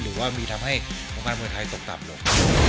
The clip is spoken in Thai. หรือว่ามีทำให้วงการเมืองไทยตกต่ำลง